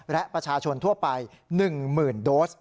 และประชาชนทั่วไป๑๐๐๐โดส